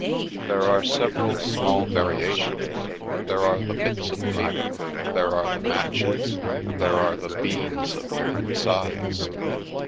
" "There are several small variations; there are the bits of paper; there are the matches; there are the beans of different size."